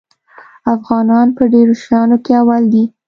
افغانان په ډېرو شیانو کې اول دي.